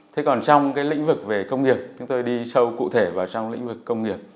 thế còn trong cái lĩnh vực về công nghiệp chúng tôi đi sâu cụ thể vào trong lĩnh vực công nghiệp